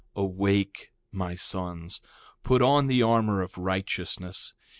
1:23 Awake, my sons; put on the armor of righteousness.